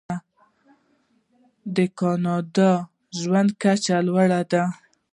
د کاناډا ژوند کچه لوړه ده.